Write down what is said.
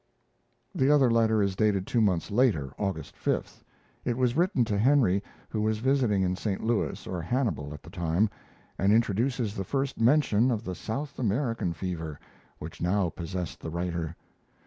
The other letter is dated two months later, August 5th. It was written to Henry, who was visiting in St. Louis or Hannibal at the time, and introduces the first mention of the South American fever, which now possessed the writer.